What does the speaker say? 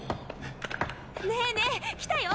ねぇねぇ来たよ！